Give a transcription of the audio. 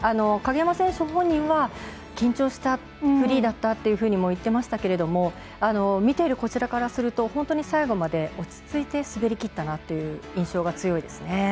鍵山選手本人は緊張したフリーだったというふうにも言ってましたけれども見ているこちらからすると本当に最後まで落ち着いて滑りきったなという印象が強いですね。